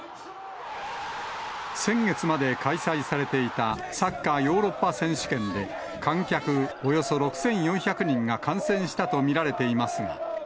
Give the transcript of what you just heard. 先月まで開催されていたサッカーヨーロッパ選手権で、観客およそ６４００人が感染したと見られていますが。